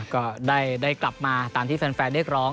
ก็ได้กลับมาตามที่แฟนเรียกร้อง